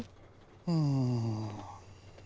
うん。